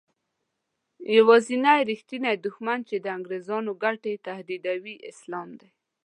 یوازینی رښتینی دښمن چې د انګریزانو ګټې تهدیدوي اسلام دی.